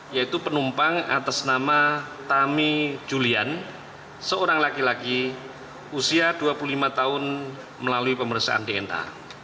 yaitu penumpang atas nama tami julian seorang laki laki usia dua puluh lima tahun melalui pemeriksaan dna